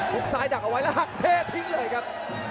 ซ้ายดักเอาไว้แล้วหักเท่ทิ้งเลยครับ